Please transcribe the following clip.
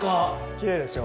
きれいでしょ？